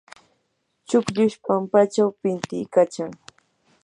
chukllush pampachaw pintiykachan.